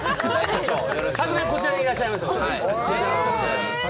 昨年、こちらにいらっしゃいましたから。